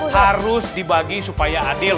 harus dibagi supaya adil